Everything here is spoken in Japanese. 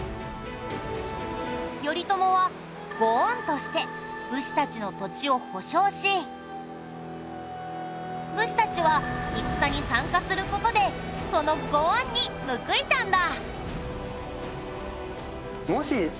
頼朝は御恩として武士たちの土地を保証し武士たちは戦に参加する事でその御恩に報いたんだ。